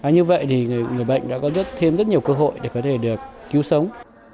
như vậy thì người bệnh đã có thêm rất nhiều cơ hội để có thể được cứu sống